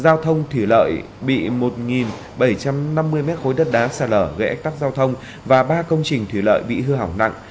giao thông thủy lợi bị một bảy trăm năm mươi m ba đất đá xa lở gây ếch tắc giao thông và ba công trình thủy lợi bị hư hỏng nặng